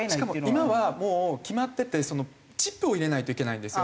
しかも今はもう決まっててチップを入れないといけないんですよね。